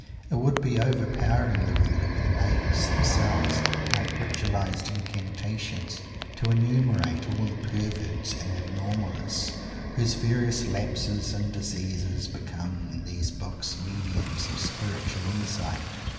It would be overpowering the reader with names, themselves like ritualistic incantations, to enumerate all the perverts and abnormalists whose various lapses and diseases become, in these books, mediums of spiritual insight.